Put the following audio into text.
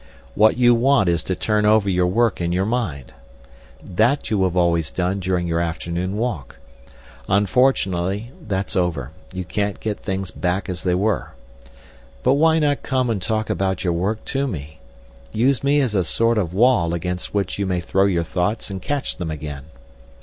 What you want is to turn over your work in your mind. That you have always done during your afternoon walk. Unfortunately that's over—you can't get things back as they were. But why not come and talk about your work to me; use me as a sort of wall against which you may throw your thoughts and catch them again?